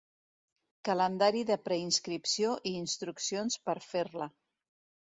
Calendari de preinscripció i instruccions per fer-la.